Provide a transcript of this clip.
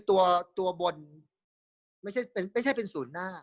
ตัวตัวบนไม่ใช่เป็นไม่ใช่เป็นศูนย์หน้า